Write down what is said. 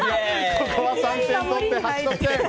ここは３点取って、８得点。